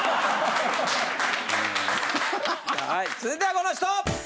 はい続いてはこの人！